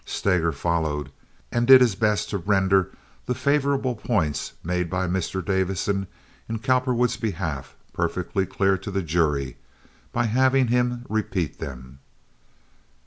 Steger followed, and did his best to render the favorable points made by Mr. Davison in Cowperwood's behalf perfectly clear to the jury by having him repeat them.